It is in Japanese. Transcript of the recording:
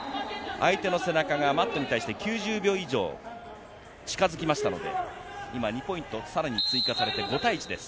相手の背中がマットに対して９０秒以上、近づきましたので、今２ポイントさらに追加されて、５対１です。